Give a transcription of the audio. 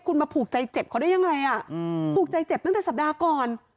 คุณมาผูกใจเจ็บเขาได้ยังไงผูกใจเจ็บตั้งแต่สัปดาห์ก่อน